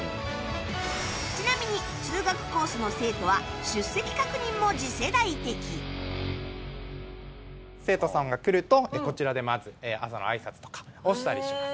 ちなみに通学コースの生徒は生徒さんが来るとこちらでまず朝のあいさつとかをしたりします。